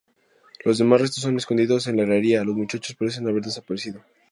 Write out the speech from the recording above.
Los demás restos son escondidos en la herrería; los muchachos parecen haber desaparecido.